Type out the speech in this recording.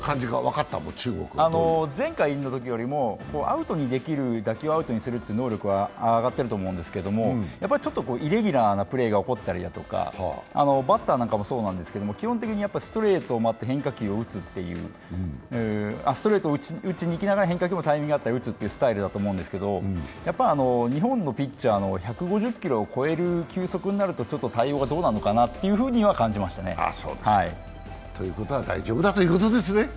前回のときよりも、打球をアウトにする能力は上がっていると思うんですけどイレギュラーなプレーが起こったりだとか、バッターなんかも基本的にストレートを打ちにいきながらタイミングが合ったら変化球もタイミングが合ったら打つというスタイルだと思うんですが日本のピッチャーの１５０キロを超える急速になるとちょっと対応がどうなのかなというふうには感じましたね。ということは大丈夫だということですね。